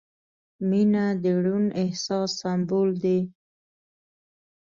• مینه د روڼ احساس سمبول دی.